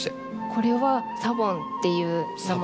これは「サボン」っていう名前です。